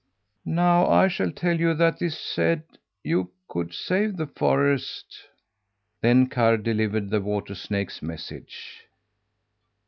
"Now I shall tell you that 'tis said you could save the forest." Then Karr delivered the water snake's message.